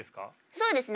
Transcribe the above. そうですね。